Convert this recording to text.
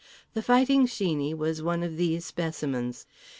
The Fighting Sheeney was one of these specimens.